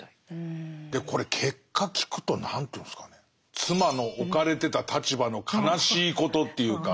でこれ結果聞くと何というんですかね妻の置かれてた立場の悲しいことっていうか。